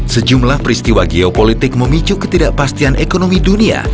sejumlah peristiwa geopolitik memicu ketidakpastian ekonomi dunia